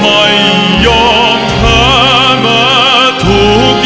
ไม่เร่รวนภาวะผวังคิดกังคัน